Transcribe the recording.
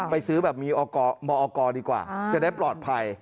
ไปซื้อแบบมีมอกรดีกว่าจะได้ปลอดภัย